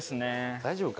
大丈夫か？